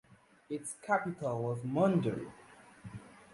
Its capital was Moundou.